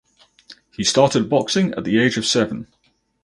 He started boxing at the age of seven.